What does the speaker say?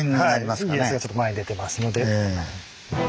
家康がちょっと前に出てますので。